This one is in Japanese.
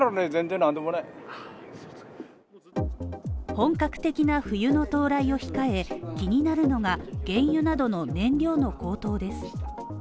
本格的な冬の到来を控え、気になるのが原油などの燃料の高騰です。